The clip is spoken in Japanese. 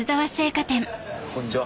こんにちは。